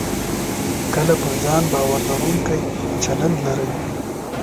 کله پر ځان باور لرونکی چلند لرئ